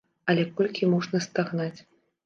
Але колькі можна стагнаць?